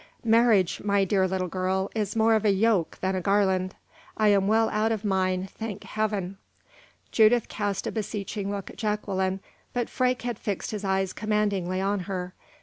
Marriage, my dear little girl, is more of a yoke than a garland. I am well out of mine, thank Heaven!" Judith cast a beseeching look at Jacqueline, but Freke had fixed his eyes commandingly on her.